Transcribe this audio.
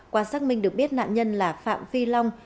qua xác minh được biết nạn nhân là phạm phi long